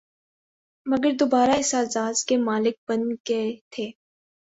مگر دوبارہ اس اعزاز کے مالک بن گئے تھے